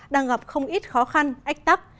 đang gặp không ít khó khăn ách tắc